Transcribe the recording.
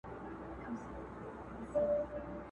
لښکر د سورلنډیو به تر ګوره پوري تښتي٫